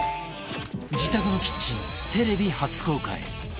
自宅のキッチン、テレビ初公開。